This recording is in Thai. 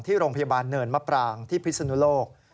ที่โรงพยาบาลเนินมะปรางที่พิศนุโลก